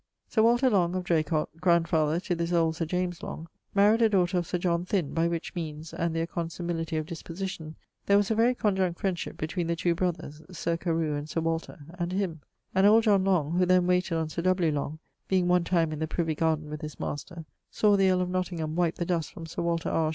Sir Walter Long, of Dracot (grandfather to this old Sir James Long) maried a daughter of Sir John Thynne, by which meanes, and their consimility of disposition, there was a very conjunct friendship between the two brothers (Sir Carew and Sir Walter) and him; and old John Long, who then wayted on Sir W. Long, being one time in the Privy Garden with his master, saw the earle of Nottingham wipe the dust from Sir Walter R.'